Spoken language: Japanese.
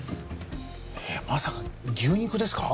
まさか牛肉ですか？